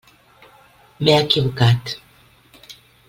M'he equivocat.